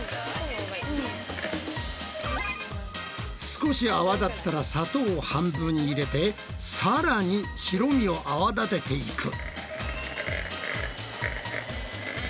少し泡立ったら砂糖を半分入れてさらに白身を泡立てていく。